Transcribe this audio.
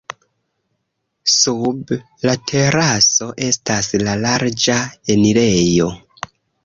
Sub la teraso estas la larĝa enirejo.